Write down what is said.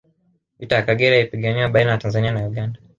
vita ya Kagera ilipiganwa baina ya tanzania na uganda